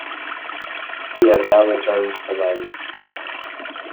He has now returned to Lens.